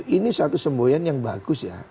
ini satu semboyan yang bagus ya